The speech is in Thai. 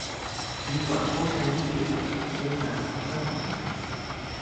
ดีกว่าพวกใช้วิธีสกปรกเล่นงานเราข้างหลังนะ